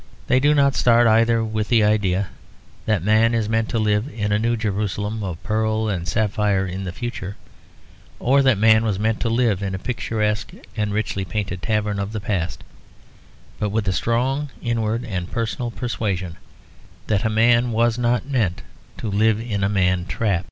They do not start either with the idea that man is meant to live in a New Jerusalem of pearl and sapphire in the future, or that a man was meant to live in a picturesque and richly painted tavern of the past; but with a strong inward and personal persuasion that a man was not meant to live in a man trap.